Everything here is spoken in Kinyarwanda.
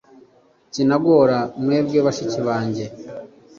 kikanagora mwebwe bashiki bange.